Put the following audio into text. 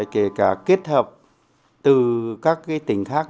kể cả kết hợp từ các tỉnh khác